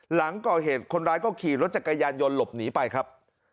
หลังก่อเหตุคนร้ายก็ขี่รถจักรยานยนต์หลบหนีไปครับ